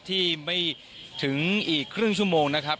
ที่ไม่ถึงอีกครึ่งชั่วโมงนะครับ